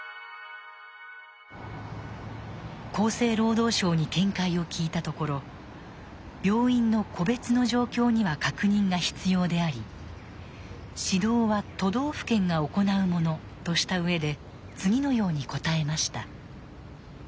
厚生労働省に見解を聞いたところ病院の個別の状況には確認が必要であり指導は都道府県が行うものとした上で次のように答えました。